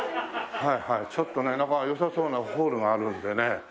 ちょっとねなんか良さそうなホールがあるのでね